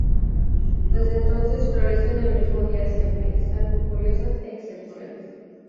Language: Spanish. Desde entonces florecen el mismo día siempre, salvo curiosas excepciones.